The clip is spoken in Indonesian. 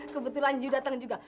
kebetulan yu datang juga